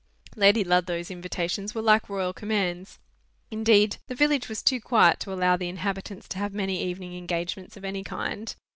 Lady Ludlow's invitations were like royal commands. Indeed, the village was too quiet to allow the inhabitants to have many evening engagements of any kind.